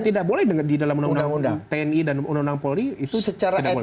tidak boleh di dalam undang undang tni dan undang undang polri itu secara tidak boleh